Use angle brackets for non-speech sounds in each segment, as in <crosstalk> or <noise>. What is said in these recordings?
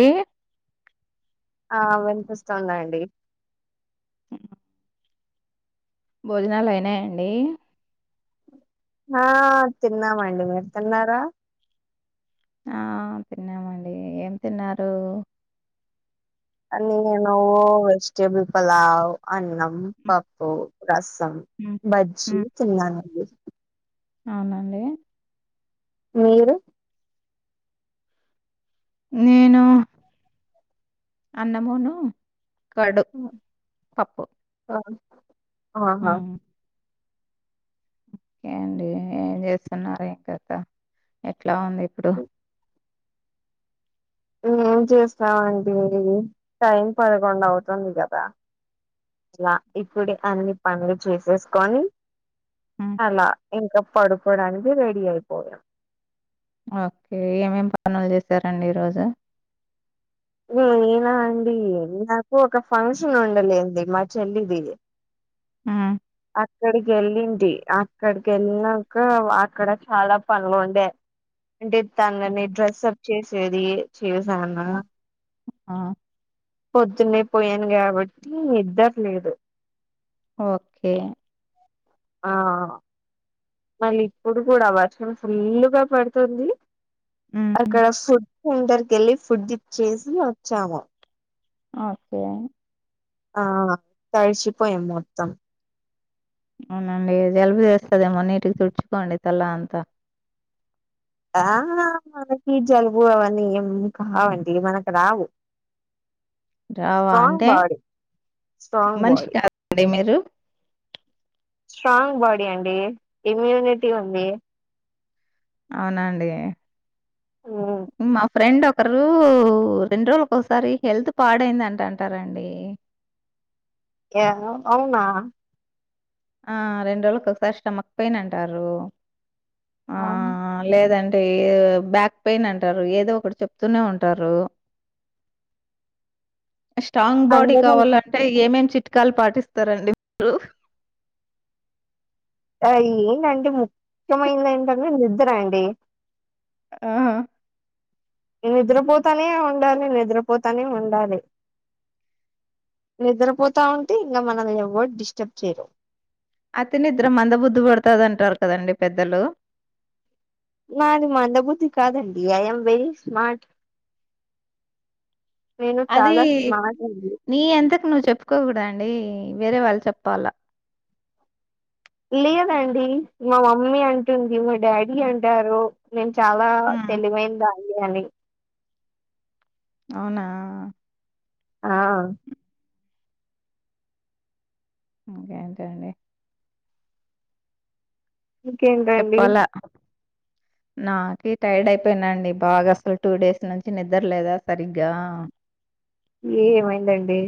ఏ ఆ వినిపిస్తుందండి భోజనాలు అయినాయండి ఆ తిన్నామండి మీరు తిన్నారా ఆ తిన్నామండి ఏం తిన్నారు అ నేను వెజిటేబుల్ పలావ్ అన్నం హ్మ్ పప్పు రసం హ్మ్ బజ్జి హ్మ్ తిన్నానండి అవునండి మీరు నేను అన్నమును కర్డు పప్పు ఆ, ఆహా హ్మ్ ఓకే అండి ఏం చేస్తున్నారు ఏం కథ ఎట్ల ఎవంది ఇప్పుడు ఏం చేస్తామండి టైం పదకొండు అవుతుంది కదా లా ఇప్పుడే అన్ని పన్లు చేసేసుకొని హ్మ్ అలా ఇంకా పడుకోడానికి రెడీ అయిపోయాం ఓకే ఏమేం పనులు చేశారండి ఈరోజు నేనా అండి నాకు ఒక ఫంక్షన్ ఉండలేండి మా చెల్లిది ఊ అక్కడికి ఎళ్ళింటి అక్కడికి వెళ్ళినాక అక్కడ చాలా పనులు ఉండే అంటే తనని హ్మ్ డ్రెస్ అప్ చేసేది చేసాన ఆ ఆ పొద్దున్నే పోయాను కాబట్టి నిద్దర లేదు ఓకే ఆ మళ్ళీ ఇప్పుడు కూడా వర్షం ఫుల్గా పడుతుంది. హ్మ్ అక్కడ ఫుడ్ సెంటర్కి వెళ్ళి ఫుడ్ ఇచ్చేసి వచ్చాము. ఓకే ఆ తడిచిపోయ మొత్తం అవునండి జలుబు చేస్తదేమో, నీటికి తుడుచుకోండి తలఅంతా. ఆ మనకి జలుబు అవన్నీ ఏం కావండి. మనకు రావు. జావా స్ట్రాంగ్ అంటే బాడి స్ట్రాంగ్ మనిషి బాడి కాదండి మీరు స్ట్రాంగ్ బాడీ అండి ఇమ్యూనిటీ ఉంది. అవునండి హ్మ్ మా ఫ్రెండ్ ఒ ఒకరు రెండు రోజులక ఒకసారి హెల్త్ పాడయింద అంట అంటారండి. ఏమో అవునా ఆ రెండు రోజులకు ఒకసారి స్టమక్ పెయిన్ అంటారు. ఆ లేదంటే అంటే బ్యాక్ పెయిన్ అంటారు. ఏదో ఒకటి చెప్తూనే ఉంటారు. స్ట్రాంగ్ బాడీ అందరూ కావాల అంటే ఏమేం చిట్కాలు పాటిస్తారండి మీరు ఆ ఏంటంటే ముఖ్యమైనది ఏంటంటే నిద్ర అండి. ఆ అ నిద్రపోతానే ఉండాలి. నిద్రపోతానే ఉండాలి. నిద్రపోతా ఉంటే ఇంగ మనం ఎవరు డిస్టర్బ్ చేయరు. అతి నిద్ద్ర మంద బుద్ధి పడుతాది అంటారు కదండి పెద్దలు. నాది మందబుద్ధి కాదండి. ఐ యామ్ వెరీ స్మార్ట్ నేను అది చాలా స్మార్ట్ అండి నీ అంతకు నువ్వు చెప్పుకోకూడద అండి. వేరే వాళ్ళు చెప్పాలా. లేదండి మా మమ్మీ అంటుంది. మా డాడీ అంటారు. నేను చాలా హ్మ్. తెలివైంది దాన్ని అని అవునా ఆ కే ఎంత అండి ఇంకేంటండి చెప్పాలా? నాకి టైర్డ్ అయిపోయిన అండి. బాగా అసలు టూ డేస్ నుంచి నిద్రలేదా సరిగ్గా. ఏ ఏమైందండి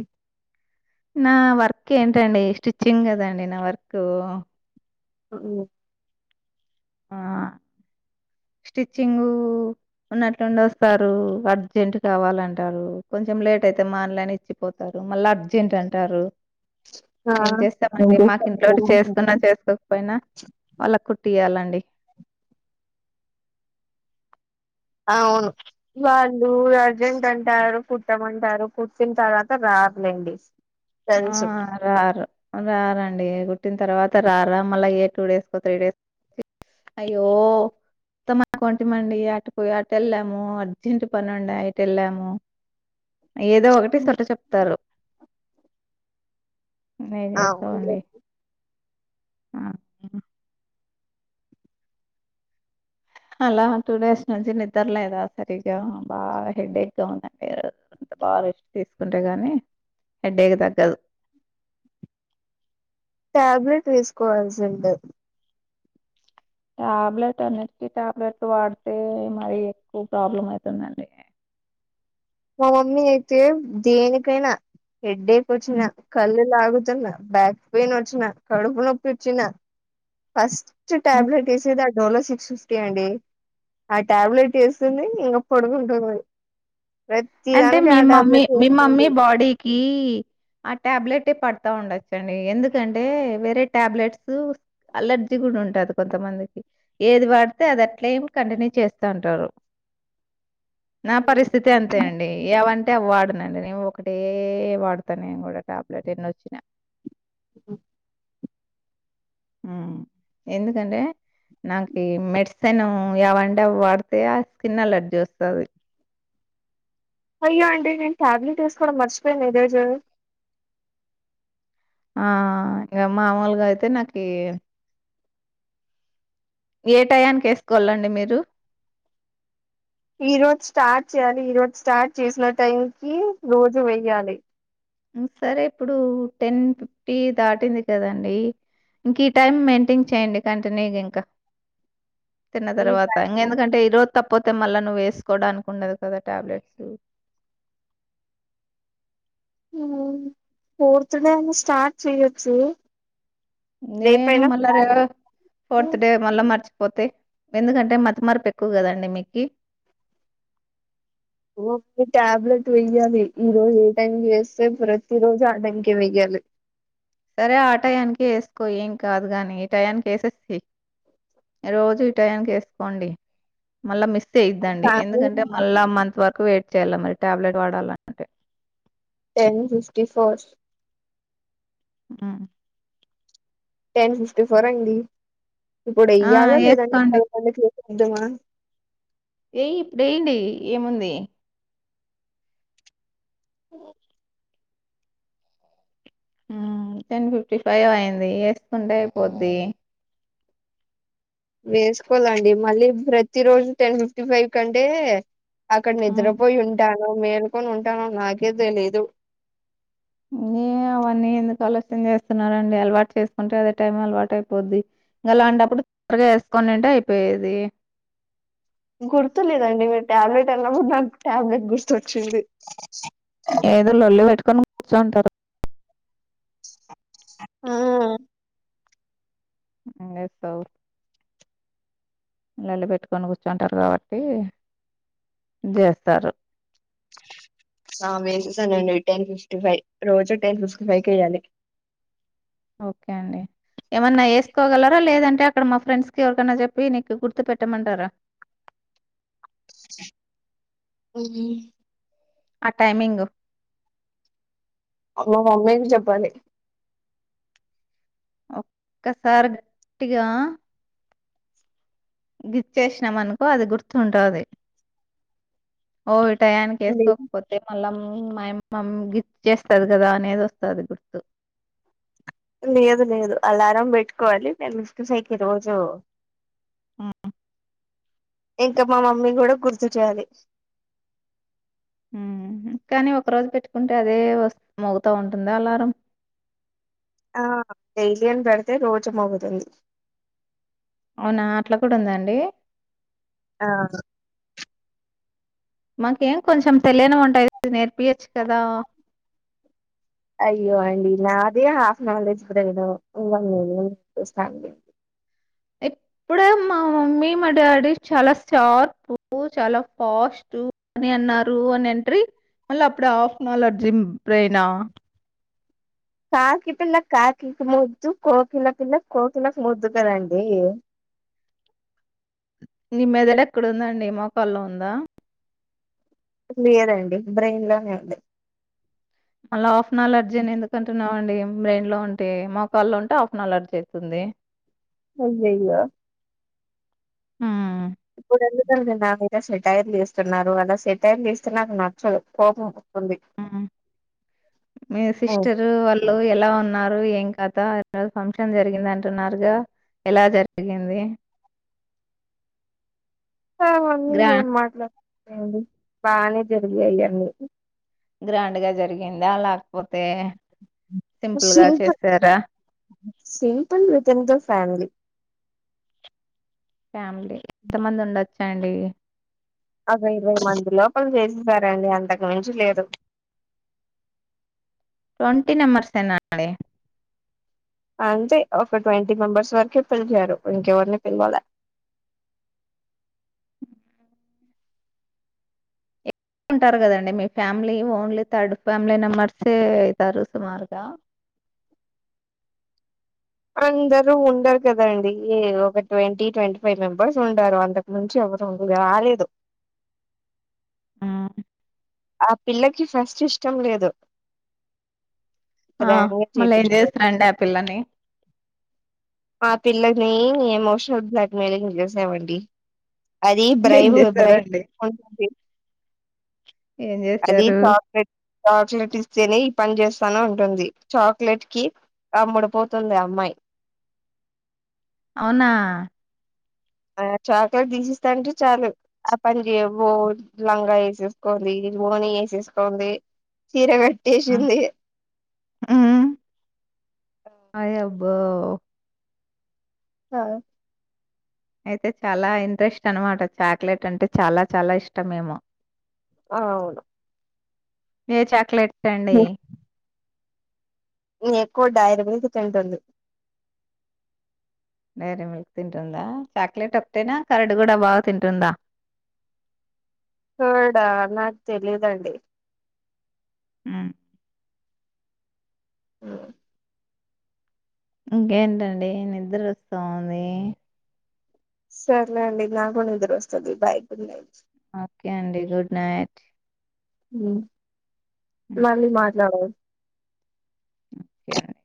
నా వర్క్ ఏంటండి స్టిచ్చింగ్ కదండి నా వర్క్. ఉ ఆ స్టిచ్చింగ్ ఉన్నట్లుండి వస్తారు. అర్జెంట్ కావాలంటారు. కొంచెం లేట్ అయితే మాన్లైన్ ఇచ్చిపోతారు మళ్ళీ అర్జెంట్ అంటారు. ఆ! ఏం ఏం చేస్తామండి. మాకు ఇంట్లో చేస్తారండి చేసుకున్నా చేసుకోకపోయినా వాళ్ళక్ కుట్టియాలంట ఆ అవును వాళ్ళు అర్జెంట్ అంటారు కుట్టమంటారు కుట్టిన తర్వాత రారు లెండి ఆ రారు రారండి కుట్టిన తర్వాత రారా మళ్ళీ ఏ టూ డేస్కో త్రీ డేస్ కొ అయ్యో వదం అనుకుంట మండి అటు పోయి అటు వెళ్ళాము అర్జెంట్ పను ఉండి ఇటు వెళ్ళాము ఏదో ఒకటి సట చెప్తారు నేం అవును చేస్తావండి ఆ అలా టూ డేస్ నుంచి నిద్రలేదా సరిగా బాగా హెడ్ ఎక్ ఉందండి బాగా రెస్ట్ తీసుకుంటే గానీ హెడేకి తగ్గదు టాబ్లెట్ వేసుకోవాల్సి ఉండే టాబ్లెట్ అ నెక్ టాబ్లెట్ వాడితే మరి ఎక్కువ ప్రాబ్లం అయ్ తుందండి మా మమ్మీ అయితే దేనికైనా హెడ్ ఏక్ వచ్చిన కళ్ళు లాగు తున బ్యాక్ పెయిన్ వచ్చిన కడుపు నొప్పి వచ్చిన ఫస్ట్ ట్ హ్మ్. టాబ్లెట్ ఏసే దా దోలో సిక్స్ ఫిఫ్టీ అండి ఆ టాబ్లెట్ వేసుకుని ఇంకా పొడుకుంటుంది అంటే మీ మమ్మీ మీ మమ్మీ బాడీకి ఆ టాబ్లెట్ే పడతా ఉండచ్చండి ఎందుకంటే వేరే టాబ్లెట్స్ అలర్జీ కూడా ఉంటది కొంతమందికి ఏది వాడితే అది అట్లా ఏమి కంటిన్యూ చేస్తూ ఉంటారు నా పరిస్థితి అంతే అండి. అ ఏవంటే వాడనండి నేను ఒకటే వాడతాను నేను కూడా టాబ్లెట్ ఎన్నోచిన మ్మ్ ఎందుకంటే నాకి మెడిసిన్ ఎవంటే వాడితే ఆ స్కిన్ అలర్జీ వస్తది అయ్యో అండి నేను టాబ్లెట్ వేసుకోవడం మర్చిపోయాను ఈరోజు ఆ ఇంకా మామూలుగా అయితే నాకి ఏ టయానికిేసుకోవాలండి మీరు ఈ రోజు స్టార్ట్ చేయాలి ఈ రోజు స్టార్ట్ చేసిన టైం కి రోజు వెయ్యాలి సరే ఇప్పుడు టెన్ ఫిఫ్టీ దాటింది కదండి ఇంకా ఈ టైమ్ మెయింటైన్ చేయండి కంటిన్యూ ఇంకా తిన్న ఈ తర్వాత టైం ఇంక ఎందుకంటే ఈ రోజు తప్పతే మళ్ళ నువ్ వేసుకోవడానికి ఉండదు కదా టాబ్లెట్స్ మ్మ్ ఫోర్తే డే అయినా స్టార్ట్ చేయొచ్చు నేమ మళ్ళార ఫోర్త్ డే మళ్ళ మరి పోతే ఎందుకంటే మతమార్పు ఎక్కువ కదండి మీకి ట్యాబ్లెట్ వెయ్యాలి ఈ రోజు ఏ టైం వేస్తే ప్రతి రోజు ఆ టైకే వెయ్యాలి సరే ఆ టయానికి వేసుకో ఏం కాదు గాని ఈ టయానికి వేసేస్త రోజు ఈ టయానికి వేసుకోండి మళ్ళా మిస్ చేయద్దండి కానీ ఎందుకంటే మళ్ళా మంత్ వరకు వెయిట్ చేయ్యాల మరి టాబ్లెట్ వాడాలంటే టెన్ ఫిఫ్టీ ఫోర్ ఉ టెన్ ఫిఫ్టీ ఫోర్ అండి ఇప్పుడు ఆ! వెయ్యాలా లేదండి ఏసుకోండి. పదకొ యెద్దమా ఏయి ఇప్పుడేయ్యండి ఏముంది అ మ్మ్ టెన్ ఫిఫ్టీ ఫైవ్ అయింది వేసుకుంటే అయిపోద్ది వేస్కోవాలండి మళ్ళీ ప్రతి రోజు టెన్ ఫిఫ్టీ ఫైవ్కి అంటే అక్కడ నిద్రపోయి ఉంటానో మేల్కొని ఉంటానో నాకే తెలిదు. నే అవన్నీ ఎందుకు ఆలోచన చేస్తున్నరండి అలవాటు చేసుకుంటే అదే టైం అలవాటు అయిపోద్ది. లాంటప్పుడు తొందరగా వేసుకొనింటే అయిపోయేది. గుర్తులేదండి మీరు టాబ్లెట్ అన్నప్పుడు నాకు టాబ్లెట్ గుర్తోచ్చింది. ఏదో లొల్లి పెట్టుకొని కూర్చోయింటారు ఆ ఎమ్ చెత్తవ్ నన్ని పెట్టుకని కూర్చోయింటారు కాబట్టి దేస్తారు ఆ బేసిస్ అనండి టెన్ ఫిఫ్టీ ఫైవ్ రోజు టెన్ ఫిఫ్టీ ఫైవ్ కే వెయాలి. ఓకే అండి ఏమన్నా వేసుకోగలరా లేదంటే అక్కడ మా ఫ్రెండ్స్ కి ఎవరికైన్నా చెప్పి నీకు గుర్తు పెట్టమంటారా. <inaudible> ఉ ఆ టైమింగు మా మామయ్యకి చెప్పండి ఒక్కసారి గట్టిగా గిచ్చేసినాం అనుకో అది గుర్తుంటుంది ఓ టయానికి లే వేసుకోకపోతే మల్ల మాయమ్ మమ్ గిచేస్తది కదా అనేది వస్తది గుర్తు లేదు లేదు అలారం పెట్టుకోవాలి నేను ఇక్ సైకి ఈ రోజు ఉ ఇక మా మమ్మీ కూడా గుర్తు చేయాలి ఉ కానీ ఒక రోజు పెట్టుకుంటే అదే వస్త్ మోగుతా ఉంటదా అలారం. ఆ డైలీ అని పెడితే రోజు మోగుతుంది అవునా అట్లా కూడా ఉందా అండి ఆ మాకేం కొంచెం తెలియనివి ఉంటాయ్ నేర్పియచ్చు కదా. అయ్యో అండి నాదే హాఫ్ న్యాలెడ్జి బ్రెయిన్ ఇంగా నీనేమ్ చొప్పిస్తా అండి. ఇప్పుడే మా మమ్మీ మా డాడీ చాలా షార్పు చాలా ఫాస్ట్ టు అని అన్నారు అని అంట్రీ మళ్ళీ అప్పుడ హాఫ్ న్యాలెడ్జి బ్రెయినా. కాకి పిల్ల కాకికి ముద్దు కోకిల పిల్ల కోకిలకు ముద్దు కాదండి. <inaudible> నీ మెదడు ఎక్కడుందండి మొకాళ్ళో ఉందా లేదండి బ్రెయిన్ లోనే ఉంది మళ్ళ హఫ్ న్యాలెడ్జి అని ఎందుకు అంటున్నవ్ అండి బ్రెయిన్ లో ఉంటే మోకాల్లో ఉంటే హాఫ్ న్యాలెడ్జి అవుతుంది. యే అయ్యోయ్యో ఉ ఎందుకొ నా మీద సెటైర్లు ఏస్తున్నారు కదా సెటైర్లు ఏస్తే నాకు నచ్చదు కోపం వస్తుంది మీ హ్మ్. సిస్టరు వాళ్ళు ఎలా ఉన్నారు ఏం కథ ఏదో ఫంక్షన్ జరిగిందంటున్నారుగా ఎలా జరిగింది అవన్నీ గ్రా ఏం మాట్లాడుతావులేండి బానే జరిగింది అండి గ్రాండ్ గా జరిగిందా లేకపోతే సింపుల్‌గా చేసారా? Simple with in the family family ఎంత మంది ఉండొచ్చు అండి ఒక ఇరవై మంది లోపల చేస్తారండి అంతకు మించి లేదు ట్వంటీ మెంబర్స్ ఏనా అండి అంతే ఒక ట్వంటీ మెంబర్స్ వరకే పిలిచారు ఇంకెవరిని పిలవలే ఉంటారు కదండి మీ family only third family members ఏ అయితారు సుమారుగా అందరు ఉండరు కదాండి ఒక ట్వంటీ ట్వంటీ ఫైవ్ మెంబర్స్ ఉంటారు అంతకుమించి ఇంగా రెండు కాలేదు ఆ ఆ పిల్లకి ఫస్ట్ ఇష్టం లేదు ఆ గ్రాండ్ గా మళ్ళా ఏం చేపించుకోవాలి చేస్తాండు ఆ పిల్లని ఆ పిల్ల ని ఎమోషనల్ బ్లాక్మెయిలింగ్ చేశామండి అది ఏం బ్రైవ్ బ్రైవ్ చేశారండి? <unintelligible> ఏం అది చేశారు? చాక్లెట్ చాక్లెట్ ఇస్తేనే ఈ పని చేస్త్ ఉంటుంది చాక్లెట్ కి అమ్ముడు పోతుంది ఆ అమ్మాయి అవునా ఆ చాక్లెట్ తీసిస్తా అంటే చాలు ఆ పని చేవో లంగా వేసేసుకోవాలి వోని వేసేసుకోంది చీర కట్టేసింది మ్మ్ అయాబ్బో ఆ అయితే చాలా ఇంట్రెస్ట్ అన్నమాట చాక్లెట్ అంటే చాలా చాలా ఇష్టం ఏమో అవును ఏ చాక్లెట్ అండి ఇమో ఎక్కువ డైరీమిల్క్ తింటుంది డైరీ మిల్క్ తింటుందా చాక్లెట్ ఒక్కటెనా కర్డ్ కూడా బాగా తింటుందా కోర్డా నాకు తెలీదండి ఉను అయాయో <unintelligible> ఇంకేంటండి నిద్ర వస్తా ఉంది సర్లే అండి నాకు నిద్ర వస్తాది బై గుడ్ నైట్ ఓకే అండి గుడ్ నైట్ మ్మ్ మళ్ళీ మాట్లాడదాం ఒకే అండి